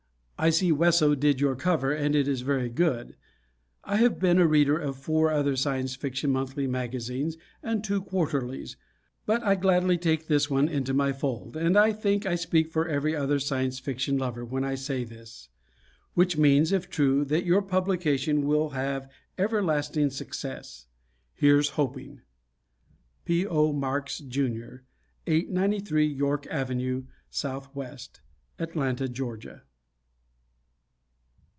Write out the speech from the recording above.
I see Wesso did your cover and it is very good. I have been a reader of four other Science Fiction monthly magazines and two quarterlies, but I gladly take this one into my fold and I think I speak for every other Science Fiction lover when I say this. Which means, if true, that your publication will have everlasting success. Here's hoping! P. O. Marks, Jr., 893 York Avenue, S. W., Atlanta, Ga.